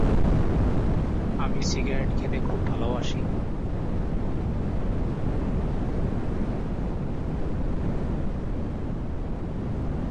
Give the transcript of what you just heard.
সূফী থাকার জায়গাটি তখন থেকেই ধ্বংস হয়ে গেছে তবে।